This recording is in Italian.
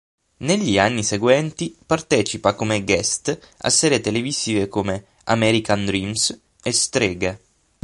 Negli anni seguenti partecipa come "guest" a serie televisive come "American Dreams" e "Streghe".